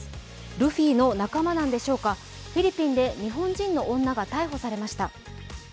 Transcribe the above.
ルフィの仲間なんでしょうか、フィリピンで日本人の女が逮捕されました。